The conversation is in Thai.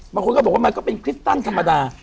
บางคนก็บอกว่ามันก็เป็นคริสตันธรรมดา